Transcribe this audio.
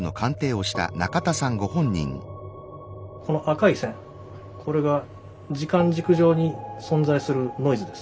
この赤い線これが時間軸上に存在するノイズですね。